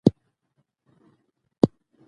رسوب د افغانستان د زرغونتیا یوه ډېره څرګنده نښه ده.